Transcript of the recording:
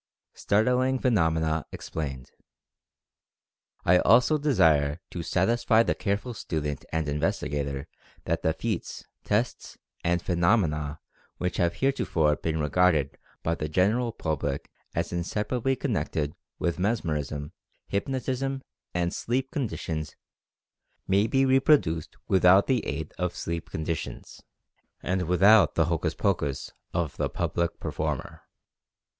STARTLING PHENOMENA EXPLAINED. I also desire to satisfy the careful student and in vestigator that the feats, tests and phenomena which have heretofore been regarded by the general public as inseparably connected with mesmerism, hypnotism and "sleep conditions" may be reproduced without the aid of "sleep conditions," and without the hocus 87 88 Mental Fascination pocus of the public performer.